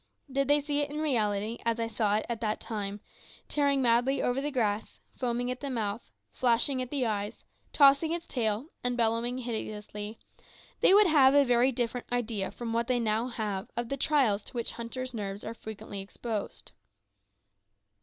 Did they see it in reality, as I saw it at that time, tearing madly over the grass, foaming at the mouth, flashing at the eyes, tossing its tail, and bellowing hideously, they would have a very different idea from what they now have of the trials to which hunters' nerves are frequently exposed.